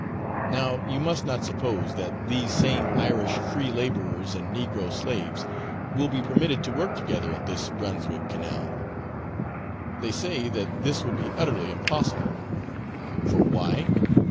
Now you must not suppose that these same Irish free labourers and negro slaves will be permitted to work together at this Brunswick Canal. They say that this would be utterly impossible; for why?